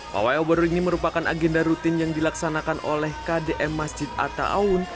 pawai obor ini merupakan agenda rutin yang dilaksanakan oleh kdm masjid atta awun